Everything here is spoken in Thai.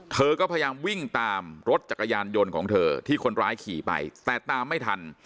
เธอก็พยายามวิ่งตามรถจักรยานยนต์ของเธอที่คนร้ายขี่ไปแต่ตามไม่ทัน